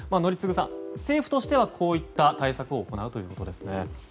宜嗣さん、政府としてはこういった対策を行うということです。